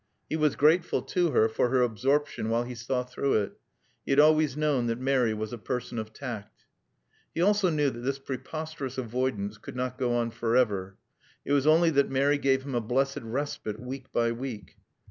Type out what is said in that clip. He was grateful to her for her absorption while he saw through it. He had always known that Mary was a person of tact. He also knew that this preposterous avoidance could not go on forever. It was only that Mary gave him a blessed respite week by week.